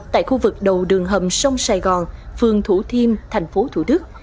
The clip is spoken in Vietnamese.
tại khu vực đầu đường hầm sông sài gòn phường thủ thiêm tp thủ đức